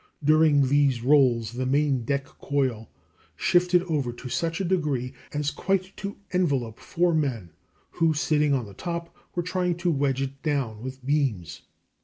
During these rolls the main deck coil shifted over to such a degree as quite to envelop four men, who, sitting on the top, were trying to wedge it down with beams.